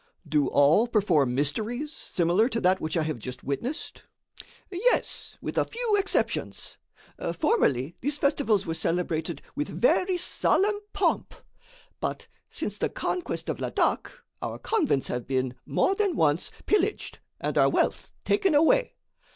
"Do all perform mysteries similar to that which I have just witnessed?" "Yes; with a few exceptions. Formerly these festivals were celebrated with very solemn pomp, but since the conquest of Ladak our convents have been, more than once, pillaged and our wealth taken away.